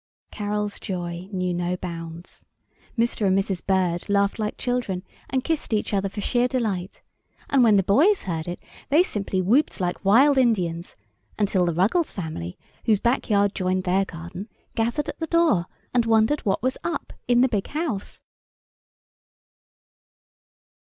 Carol's joy knew no bounds. Mr. and Mrs. Bird laughed like children and kissed each other for sheer delight, and when the boys heard it they simply whooped like wild Indians, until the Ruggles family, whose back yard joined their garden, gathered at the door and wondered what was "up" in the big house.